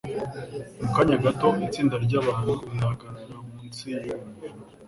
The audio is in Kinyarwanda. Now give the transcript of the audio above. Mu kanya gato, itsinda ry'abantu rihagarara munsi y'uwo muvumu,